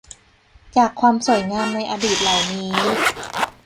จากความสวยงามในอดีตเหล่านี้